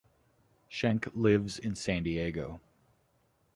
Schenk lives in San Diego.